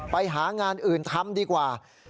ไปหางานอื่นทำดีกว่า